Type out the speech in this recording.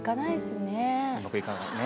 うまくいかないね。